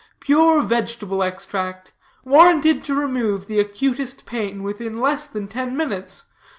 Pure vegetable extract. Warranted to remove the acutest pain within less than ten minutes.